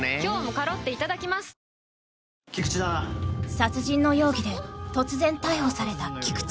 ［殺人の容疑で突然逮捕された菊池］